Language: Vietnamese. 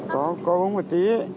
có có vốn một tí